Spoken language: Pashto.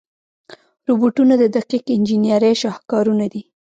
روبوټونه د دقیق انجنیري شاهکارونه دي.